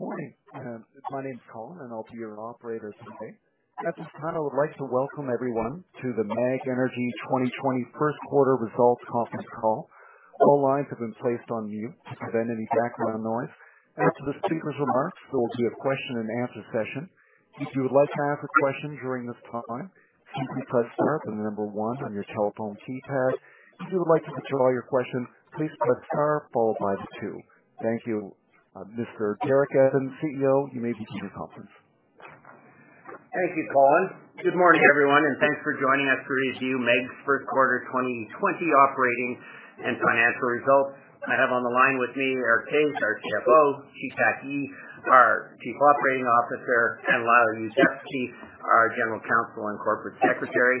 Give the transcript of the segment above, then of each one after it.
Good morning. My name's Colin, and I'll be your operator today. At this time, I would like to welcome everyone to the MEG Energy 2020 first quarter results conference call. All lines have been placed on mute to prevent any background noise. After the speaker's remarks, there will be a question-and-answer session. If you would like to ask a question during this time, simply press star with the number one on your telephone keypad. If you would like to withdraw your question, please press star followed by the two. Thank you. Mr. Derek Evans, CEO, you may begin your conference. Thank you, Colin. Good morning, everyone, and thanks for joining us to review MEG's first quarter 2020 operating and financial results. I have on the line with me Eric Toews, our CFO, Chi-Tak Yee, our Chief Operating Officer, and Lyle Yuzdepski, our General Counsel and Corporate Secretary.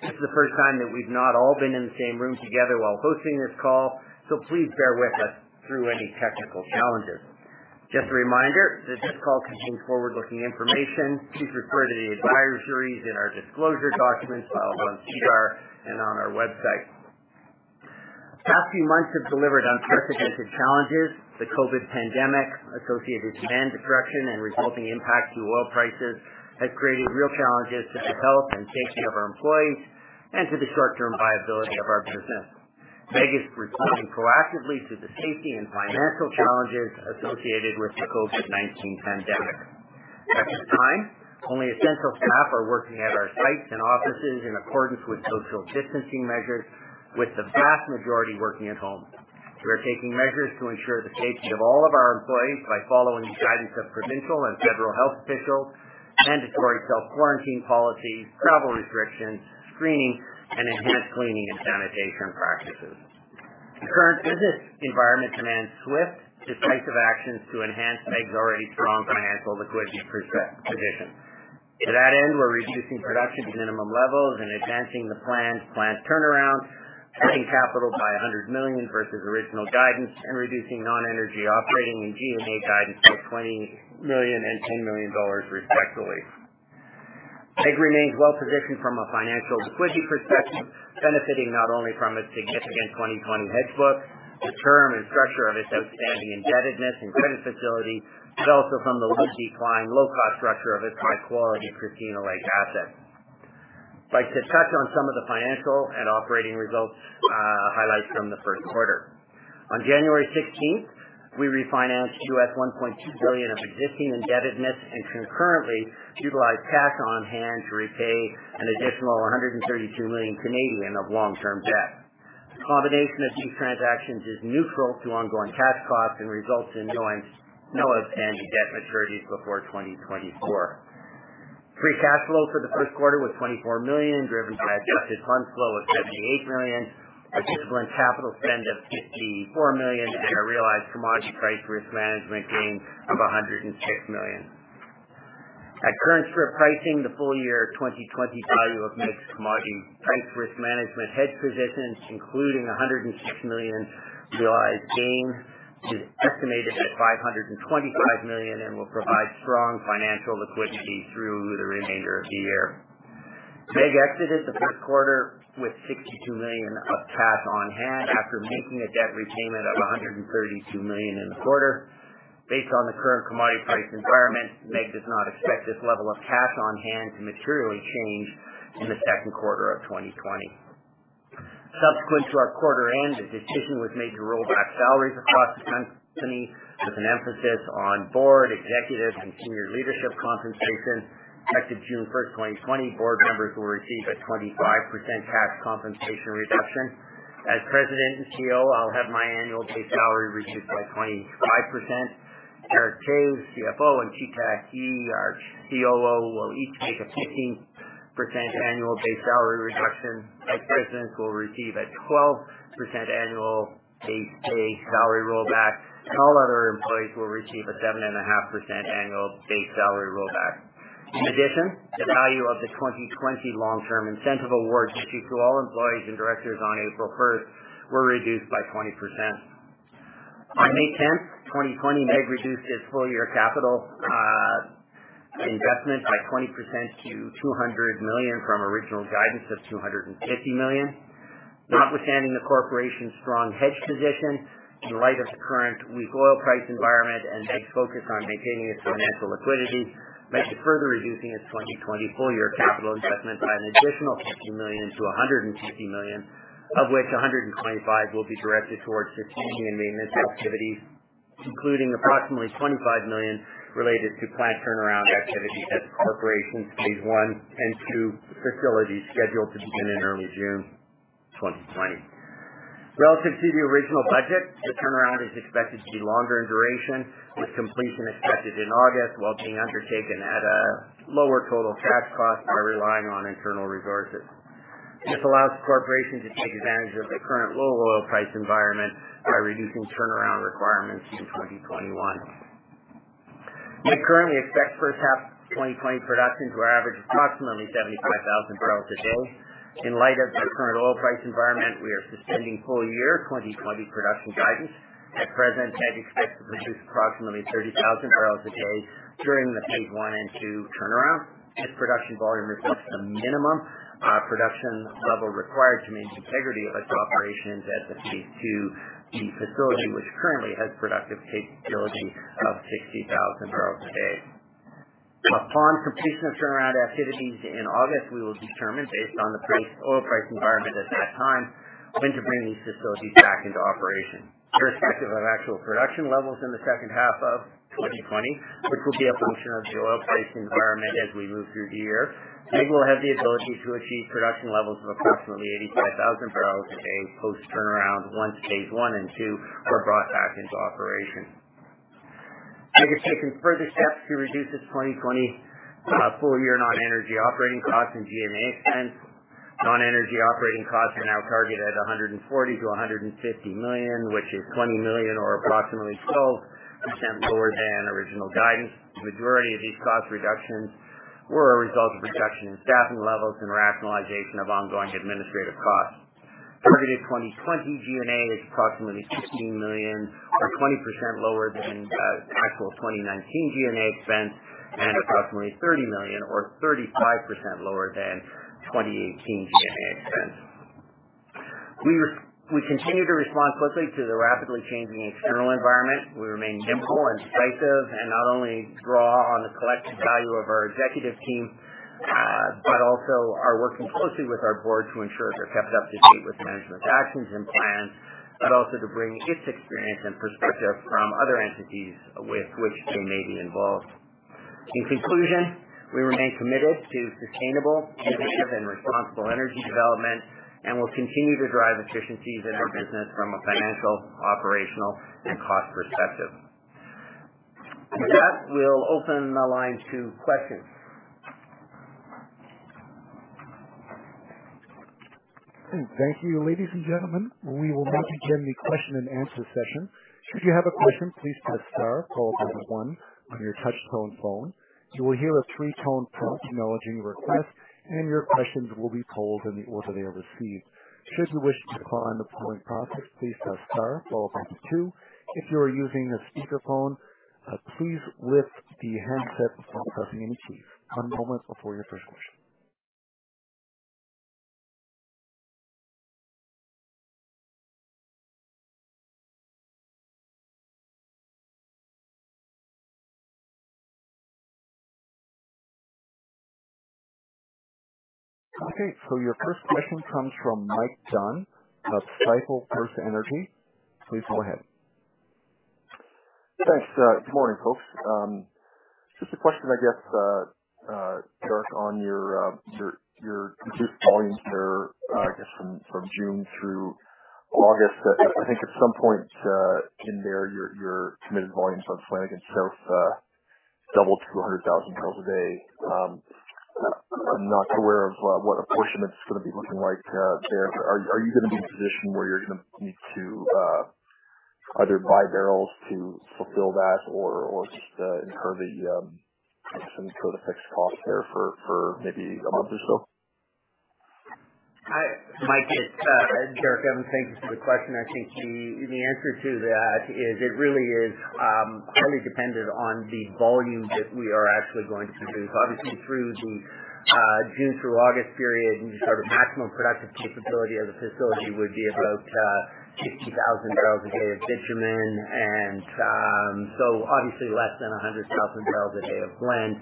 This is the first time that we've not all been in the same room together while hosting this call, so please bear with us through any technical challenges. Just a reminder that this call contains forward-looking information. Please refer to the advisories in our disclosure documents filed on SEDAR and on our website. The past few months have delivered unprecedented challenges. The COVID pandemic, associated demand destruction and resulting impact to oil prices, has created real challenges to the health and safety of our employees and to the short-term viability of our business. MEG is responding proactively to the safety and financial challenges associated with the COVID-19 pandemic. At this time, only essential staff are working at our sites and offices in accordance with social distancing measures, with the vast majority working at home. We are taking measures to ensure the safety of all of our employees by following the guidance of provincial and federal health officials, mandatory self-quarantine policies, travel restrictions, screening, and enhanced cleaning and sanitation practices. The current business environment demands swift, decisive actions to enhance MEG's already strong financial liquidity position. To that end, we're reducing production to minimum levels and advancing the planned plant turnaround, cutting capital by 100 million versus original guidance, and reducing non-energy operating and G&A guidance by 20 million and 10 million dollars, respectively. MEG remains well-positioned from a financial liquidity perspective, benefiting not only from its significant 2020 hedge book, the term and structure of its outstanding indebtedness and credit facility, but also from the low-decline, low-cost structure of its high-quality Christina Lake asset. I'd like to touch on some of the financial and operating results highlights from the first quarter. On January 16th, we refinanced $1.2 billion of existing indebtedness and concurrently utilized cash on hand to repay an additional 132 million of long-term debt. The combination of these transactions is neutral to ongoing cash costs and results in no outstanding debt maturities before 2024. Free cash flow for the first quarter was CAD 24 million, driven by adjusted funds flow of CAD 78 million, a disciplined capital spend of CAD 54 million, and a realized commodity price risk management gain of CAD 106 million. At current strip pricing, the full-year 2020 value of MEG's commodity price risk management hedge position, including 106 million realized gain, is estimated at 525 million and will provide strong financial liquidity through the remainder of the year. MEG exited the first quarter with 62 million of cash on hand after making a debt repayment of 132 million in the quarter. Based on the current commodity price environment, MEG does not expect this level of cash on hand to materially change in the second quarter of 2020. Subsequent to our quarter end, a decision was made to roll back salaries across the company with an emphasis on board, executive, and senior leadership compensation. Effective June 1st, 2020, Board members will receive a 25% cash compensation reduction. As President and CEO, I'll have my annual base salary reduced by 25%. Eric Toews, CFO, and Chi-Tak Yee, our COO, will each make a 15% annual base salary reduction. Vice presidents will receive a 12% annual base pay salary rollback, and all other employees will receive a 7.5% annual base salary rollback. In addition, the value of the 2020 long-term incentive awards issued to all employees and directors on April 1st were reduced by 20%. On May 10th, 2020, MEG reduced its full-year capital investment by 20% to 200 million from original guidance of 250 million. Notwithstanding the corporation's strong hedge position, in light of the current weak oil price environment and MEG's focus on maintaining its financial liquidity, MEG is further reducing its 2020 full-year capital investment by an additional 50 million-150 million, of which 125 million will be directed towards sustaining and maintenance activities, including approximately 25 million related to plant turnaround activities at the corporation's Phase I and II facilities scheduled to begin in early June 2020. Relative to the original budget, the turnaround is expected to be longer in duration, with completion expected in August while being undertaken at a lower total cash cost by relying on internal resources. This allows the corporation to take advantage of the current low oil price environment by reducing turnaround requirements in 2021. MEG currently expects first half 2020 production to average approximately 75,000 barrels a day. In light of the current oil price environment, we are suspending full-year 2020 production guidance. At present, MEG expects to produce approximately 30,000 barrels a day during the Phase I and II turnaround. This production volume reflects the minimum production level required to maintain the integrity of its operations at the phase II facility, which currently has productive capability of 60,000 barrels a day. Upon completion of turnaround activities in August, we will determine, based on the oil price environment at that time, when to bring these facilities back into operation. Irrespective of actual production levels in the second half of 2020, which will be a function of the oil price environment as we move through the year, MEG will have the ability to achieve production levels of approximately 85,000 barrels a day post-turnaround once Phase I and II were brought back into operation. MEG has taken further steps to reduce its 2020 full-year non-energy operating costs and G&A expense. Non-energy operating costs are now targeted at 140-150 million, which is 20 million or approximately 12% lower than original guidance. The majority of these cost reductions were a result of reduction in staffing levels and rationalization of ongoing administrative costs. Targeted 2020 G&A is approximately 15 million, or 20% lower than actual 2019 G&A expense, and approximately 30 million, or 35% lower than 2018 G&A expense. We continue to respond quickly to the rapidly changing external environment. We remain nimble and decisive and not only draw on the collective value of our executive team, but also are working closely with our board to ensure they're kept up to date with management actions and plans, but also to bring its experience and perspective from other entities with which they may be involved. In conclusion, we remain committed to sustainable, innovative, and responsible energy development and will continue to drive efficiencies in our business from a financial, operational, and cost perspective. With that, we'll open the line to questions. Thank you, ladies and gentlemen. We will now begin the question-and-answer session. Should you have a question, please press star, followed by the one on your touch-tone phone. You will hear a three-tone prompt acknowledging your request, and your questions will be polled in the order they are received. Should you wish to decline the polling process, please press star, followed by the two. If you are using a speakerphone, please lift the handset before pressing any keys. One moment before your first question. Okay, so your first question comes from Mike Dunn of Stifel FirstEnergy. Please go ahead. Thanks. Good morning, folks. Just a question, I guess, Derek, on your reduced volumes there, I guess, from June through August. I think at some point in there, your committed volumes on Flanagan South doubled to 100,000 barrels a day. I'm not aware of what apportionment's going to be looking like there. Are you going to be in a position where you're going to need to either buy barrels to fulfill that or just incur the fixed cost there for maybe a month or so? Hi, Mike. It's Derek. Thank you for the question. I think the answer to that is it really is highly dependent on the volume that we are actually going to produce. Obviously, through the June through August period, the maximum productive capability of the facility would be about 60,000 barrels a day of bitumen, and so obviously less than 100,000 barrels a day of blend.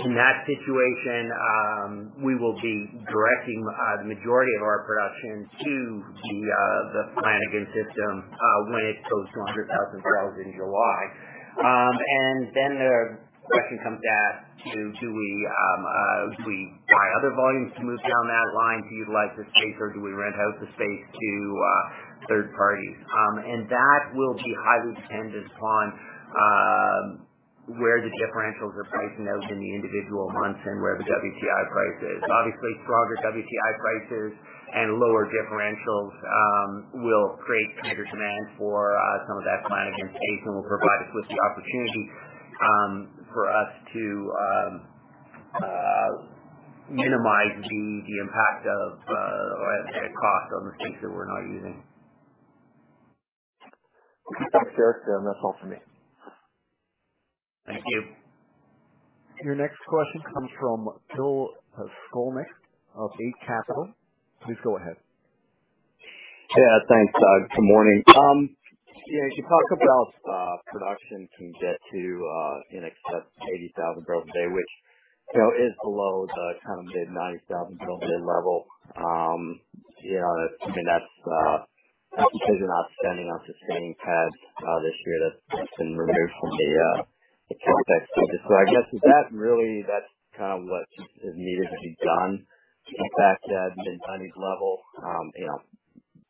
In that situation, we will be directing the majority of our production to the Flanagan South system when it goes to 100,000 barrels in July. And then the question comes to ask, do we buy other volumes to move down that line to utilize the space, or do we rent out the space to third parties? And that will be highly dependent upon where the differentials are priced out in the individual months and where the WTI price is. Obviously, stronger WTI prices and lower differentials will create greater demand for some of that Flanagan space and will provide us with the opportunity for us to minimize the impact of cost on the space that we're now using. Thanks, Derek. That's all for me. Thank you. Your next question comes from Phil Skolnick of Eight Capital. Please go ahead. Yeah, thanks, Derek. Good morning. Yeah, you can talk about. Production can get to an excess of 80,000 barrels a day, which is below the kind of mid-90,000 barrel day level. I mean, that's because you're not spending on sustaining pads this year that's been removed from the CapEx budget. So I guess that really, that's kind of what is needed to be done to back that mid-90s level,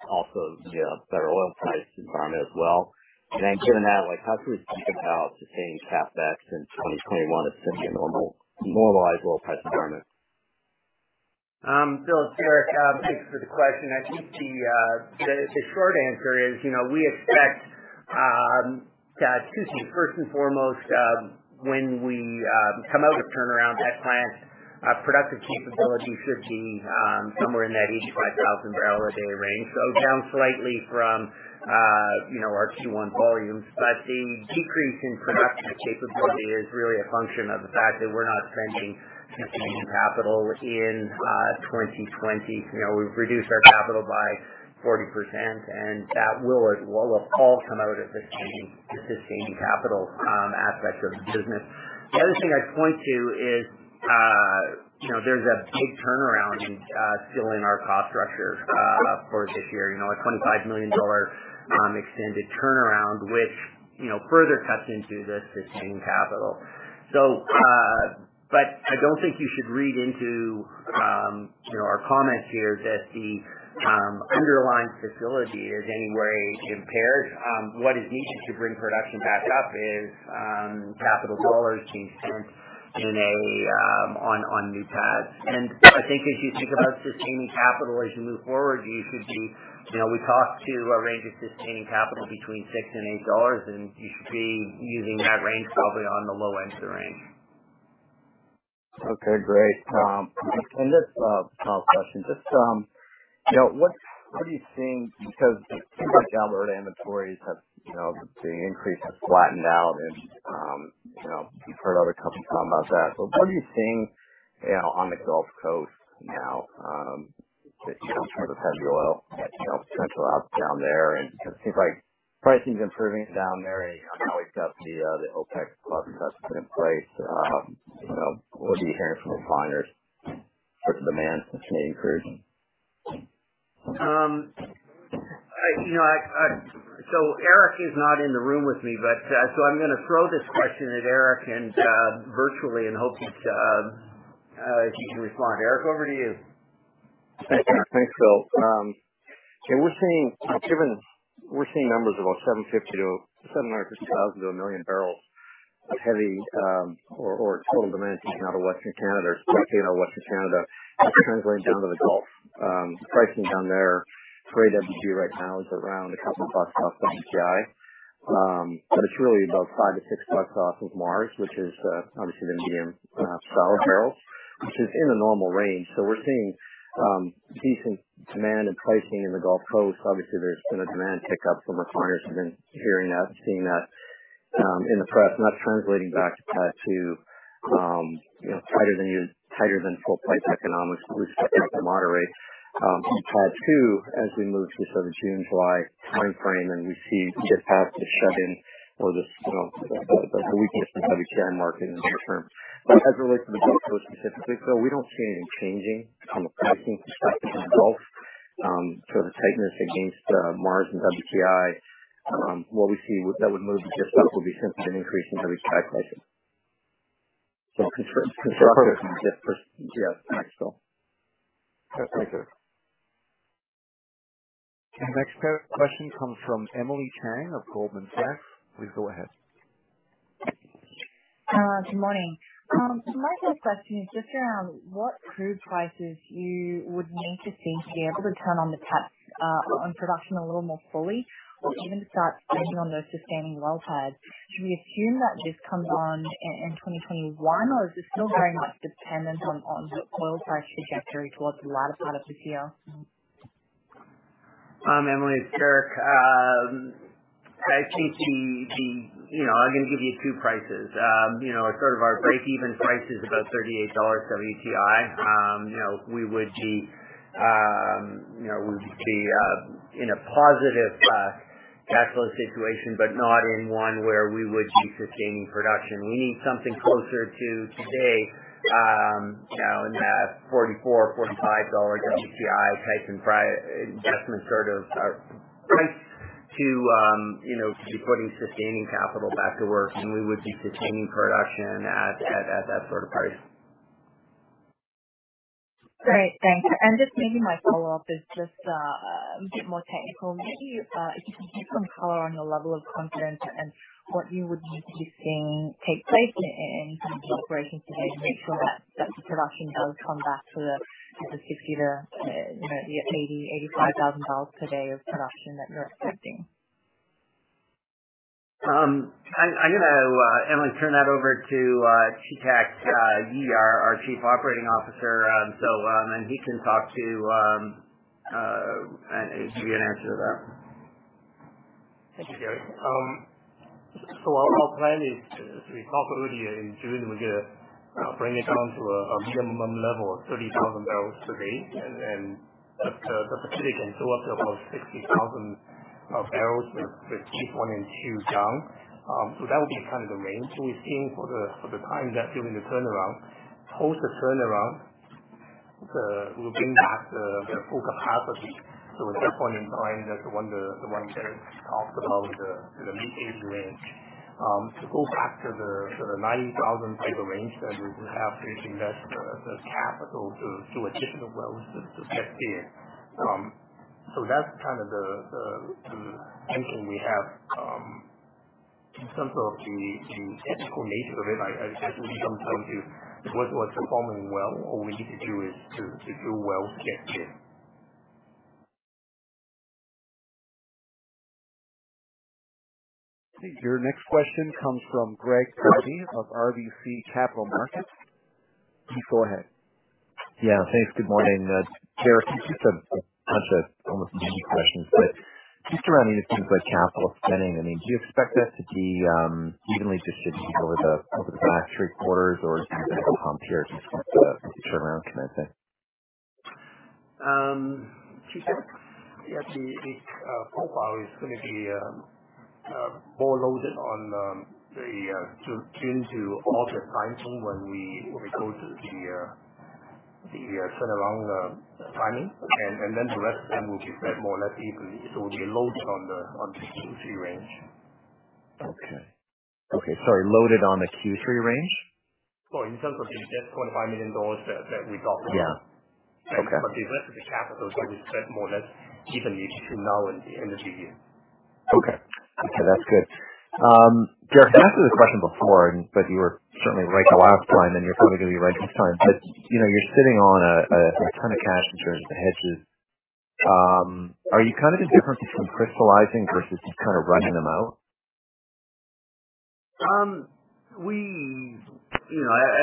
also the better oil price environment as well. And then given that, how should we think about sustaining CapEx in 2021 as simply a normalized oil price environment? Phil, Derek, thanks for the question. I think the short answer is we expect that, first and foremost, when we come out of turnaround that plant's productive capability should be somewhere in that 85,000 barrel a day range, so down slightly from our Q1 volumes. But the decrease in production capability is really a function of the fact that we're not spending sustaining capital in 2020. We've reduced our capital by 40%, and that will all come out of the sustaining capital aspect of the business. The other thing I'd point to is there's a big turnaround inflang our cost structure for this year, a C$25 million extended turnaround, which further cuts into the sustaining capital. But I don't think you should read into our comments here that the underlying facility is any way impaired. What is needed to bring production back up is capital dollars being spent on new pads. I think as you think about Sustaining Capital as you move forward, you should be. We talk to a range of Sustaining Capital between C$6 and C$8, and you should be using that range probably on the low end of the range. Okay, great. And this final question, just what are you seeing because some of the downward inventories have the increase has flattened out, and you've heard other companies talk about that. But what are you seeing on the Gulf Coast now that you know some of the heavy oil potential out down there? And it seems like pricing's improving down there. Now we've got the OPEC+ cuts put in place. What are you hearing from the refiners? The demand is maybe increasing. So Eric is not in the room with me, but so I'm going to throw this question at Eric virtually in hopes he can respond. Eric, over to you. Thanks, Bill. Yeah, we're seeing numbers of about 750,000 to a million barrels of heavy or total demand coming out of Western Canada or stocking out of Western Canada and translating down to the Gulf. Pricing down there, Grade AWB right now is around a couple of bucks off WTI, but it's really about five to six bucks off of Mars, which is obviously the medium sour barrels, which is in the normal range. So we're seeing decent demand and pricing in the Gulf Coast. Obviously, there's been a demand pickup from our buyers who have been hearing that and seeing that in the press, and that's translating back to tighter than full price economics, looser than moderate. PADD 2, as we move through sort of the June-July timeframe, and we see it get past the shut-in or the weakness in the WTI market in the short term. But as it relates to the Gulf Coast specifically, Phil, we don't see anything changing from a pricing perspective in the Gulf for the tightness against Mars and WTI. What we see that would move just up would be simply an increase in WTI pricing. So constructive. Perfect. Yeah. Thanks, phil. Thank you. And the next question comes from Emily Chieng of Goldman Sachs. Please go ahead. Good morning. My first question is just around what crude prices you would need to see to be able to turn on the taps on production a little more fully or even to start spending on those sustaining oil pads? Should we assume that this comes on in 2021, or is this still very much dependent on the oil price trajectory towards the latter part of this year? I'm Emily. It's Derek. I think I'm going to give you two prices. Sort of our break-even price is about $38 WTI. We would be in a positive cash flow situation, but not in one where we would be sustaining production. We need something closer to today in that $44-$45 WTI type investment sort of price to be putting sustaining capital back to work, and we would be sustaining production at that sort of price. Great. Thanks. And just maybe my follow-up is just a bit more technical. Maybe if you can give some color on your level of confidence and what you would need to be seeing take place in some of the operations today to make sure that the production does come back to the 60 to 80, 85 thousand barrels per day of production that you're expecting. I'm going to, Emily, turn that over to Chi-Tak Yee, our Chief Operating Officer, and he can talk to and give you an answer to that. Thank you, Derek. So our plan is we talk earlier in June, and we're going to bring it down to a minimum level of 30,000 barrels per day, and the Pacific can go up to about 60,000 barrels with Q1 and Q2 down. So that would be kind of the range we're seeing for the time that during the turnaround, post the turnaround, we'll bring back the full capacity. So at that point in time, that's the one Derek talked about, the mid-80 range. To go back to the 90,000 type of range that we would have to invest the capital to do additional wells to get there. So that's kind of the thinking we have in terms of the technical nature of it. I think it comes down to what's performing well, all we need to do is to do well to get there. Your next question comes from Greg Pardy of RBC Capital Markets. Please go ahead. Yeah, thanks. Good morning. Derek, you just said a bunch of almost unique questions, but just around anything like capital spending, I mean, do you expect that to be evenly distributed over the last three quarters, or do you think it will come here at least with the turnaround commencing? To say that the profile is going to be more loaded on the June to August timeframe when we go to the turnaround timing, and then the rest of them will be spread more or less evenly. So it will be loaded on the Q3 range. Okay. Okay. Sorry, loaded on the Q3 range? In terms of the C$25 million that we talked about. Yeah. Okay. But the rest of the capital is going to be spread more or less evenly between now and the end of the year. Okay. Okay. That's good. Derek, I asked you this question before, but you were certainly right the last time, and you're probably going to be right this time. But you're sitting on a ton of cash in terms of hedges. Are you kind of indifferent between crystallizing versus just kind of writing them out? I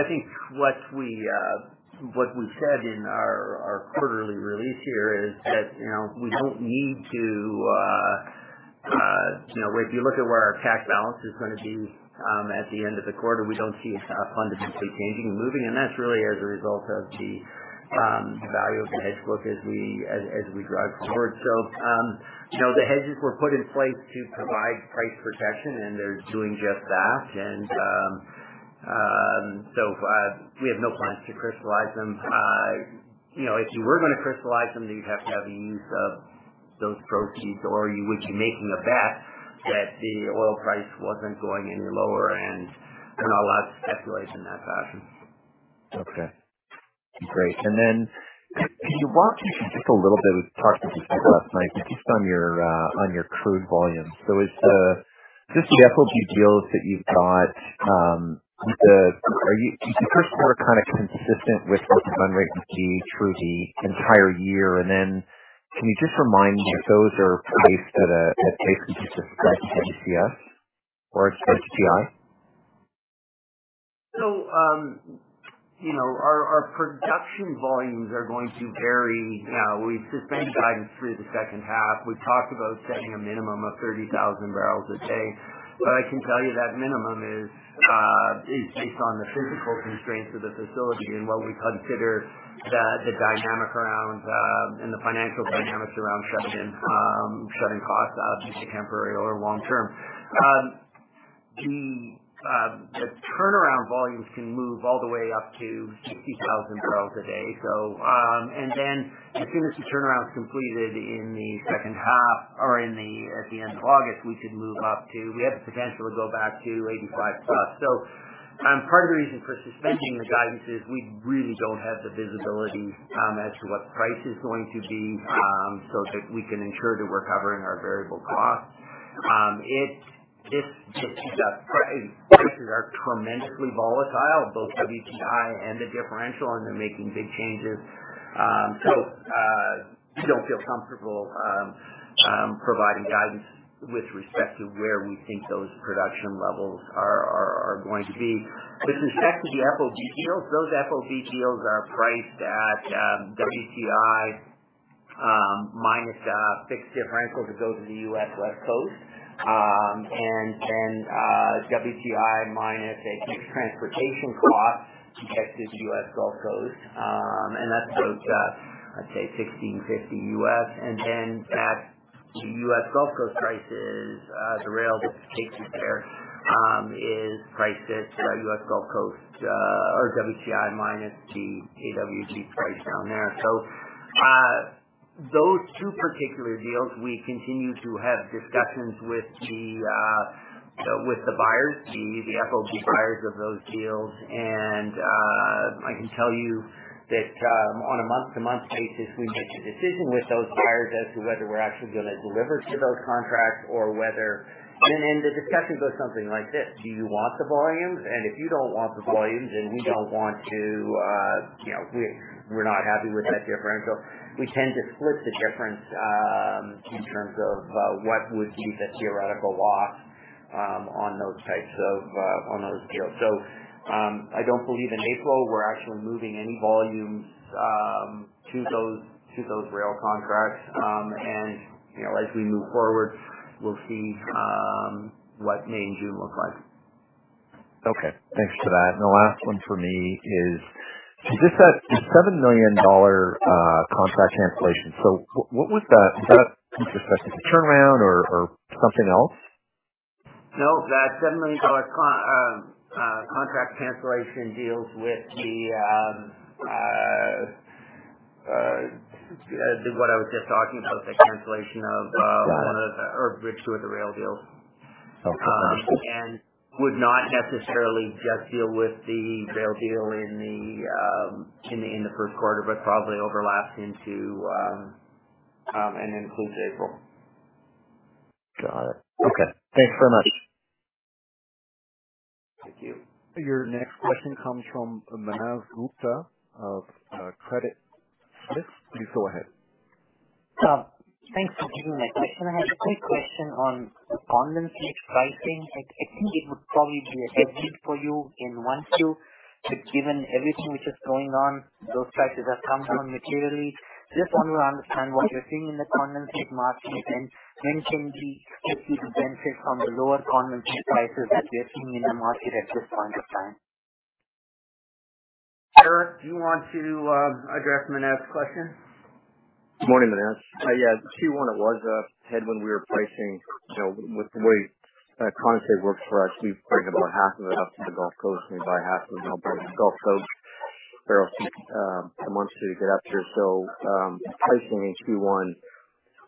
think what we said in our quarterly release here is that we don't need to. If you look at where our cash balance is going to be at the end of the quarter, we don't see it fundamentally changing and moving, and that's really as a result of the value of the hedge book as we drive forward. So the hedges were put in place to provide price protection, and they're doing just that. And so we have no plans to crystallize them. If you were going to crystallize them, you'd have to have the use of those proceeds, or you would be making a bet that the oil price wasn't going any lower and not allowed to speculate in that fashion. Okay. Great. And then if you want to just a little bit, we talked with you last night, but just on your crude volumes. So is it just the FOB deals that you've got, are they kind of consistent with what the run rate would be through the entire year? And then can you just remind me if those are priced at a price consistent to USGC or to WTI? Our production volumes are going to vary. We suspended guidance through the second half. We talked about setting a minimum of 30,000 barrels a day, but I can tell you that minimum is based on the physical constraints of the facility and what we consider the dynamic around and the financial dynamics around shutting costs out in the temporary or long term. The turnaround volumes can move all the way up to 60,000 barrels a day. And then as soon as the turnaround's completed in the second half or at the end of August, we could move up to, we have the potential to go back to 85 plus. So part of the reason for suspending the guidance is we really don't have the visibility as to what price is going to be so that we can ensure that we're covering our variable costs. Prices are tremendously volatile, both WTI and the differential, and they're making big changes, so we don't feel comfortable providing guidance with respect to where we think those production levels are going to be. With respect to the FOB deals, those FOB deals are priced at WTI minus fixed differential to go to the US West Coast, and then WTI minus a fixed transportation cost to get to the US Gulf Coast, and that's about, I'd say, $16.50. And then at the US Gulf Coast prices, the rail that takes you there is priced at US Gulf Coast or WTI minus the AWB price down there, so those two particular deals, we continue to have discussions with the buyers, the FOB buyers of those deals. I can tell you that on a month-to-month basis, we make a decision with those buyers as to whether we're actually going to deliver to those contracts or whether, and the discussion goes something like this: do you want the volumes? If you don't want the volumes and we don't want to, we're not happy with that differential. We tend to split the difference in terms of what would be the theoretical loss on those types of deals. I don't believe in April we're actually moving any volumes to those rail contracts. As we move forward, we'll see what May and June look like. Okay. Thanks for that. And the last one for me is just that C$7 million contract cancellation. So what was that? Was that with respect to the turnaround or something else? No, that $7 million contract cancellation deals with what I was just talking about, the cancellation of one or two of the rail deals. Okay. Got it. And would not necessarily just deal with the rail deal in the first quarter, but probably overlaps into and includes April. Got it. Okay. Thanks very much. Thank you. Your next question comes from Manav Gupta of Credit Suisse. Please go ahead. Thanks for taking my question. I have a quick question on condensate pricing. I think it would probably be a headwind for you in one field, but given everything which is going on, those prices have come down materially. Just want to understand what you're seeing in the condensate market, and when can we expect you to benefit from the lower condensate prices that we're seeing in the market at this point of time? Eric, do you want to address Manav's question? Good morning, Manav. Yeah, Q1, it was a headwind we were pricing with the way condensate works for us. We bring about half of it up to the Gulf Coast, and we buy half of it in the Gulf Coast barrels a month or two to get up here. So pricing in Q1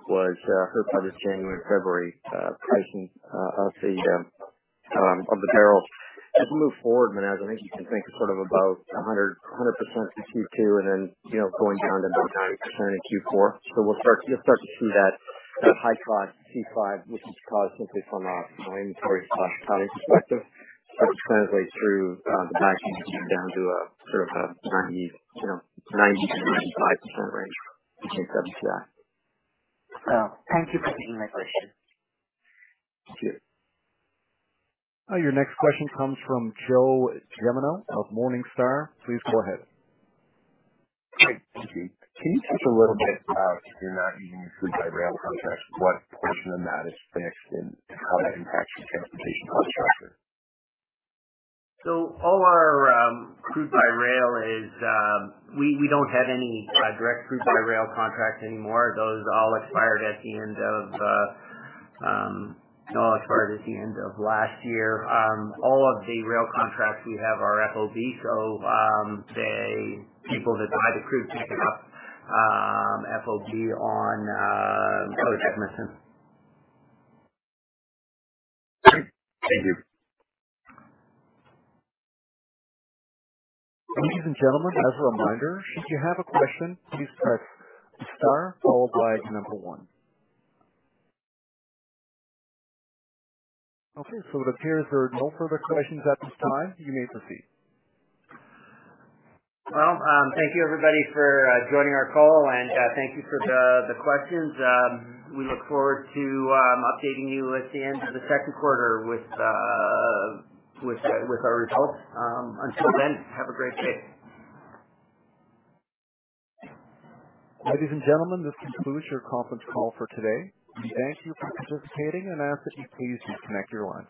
was hurt by this January-February pricing of the barrels. As we move forward, Manav, I think you can think of sort of about 100% in Q2 and then going down to about 90% in Q4. So we'll start to see that high cost C5, which is caused simply from an inventory cutting perspective, start to translate through the backing down to sort of a 90%-95% range between FOB and C5s. Thank you for taking my question. Thank you. Your next question comes from Joe Gemino of Morningstar. Please go ahead. Great. Thank you. Can you touch a little bit about, if you're not using your crude by rail contracts, what portion of that is fixed and how that impacts your transportation infrastructure? So all our crude by rail is we don't have any direct crude by rail contracts anymore. Those all expired at the end of last year. All of the rail contracts we have are FOB, so the people that buy the crude pick up FOB on. Thank you. Ladies and gentlemen, as a reminder, should you have a question, please press star, followed by the number one. Okay. So it appears there are no further questions at this time. You may proceed. Thank you, everybody, for joining our call, and thank you for the questions. We look forward to updating you at the end of the second quarter with our results. Until then, have a great day. Ladies and gentlemen, this concludes your conference call for today. We thank you for participating and ask that you please disconnect your lines.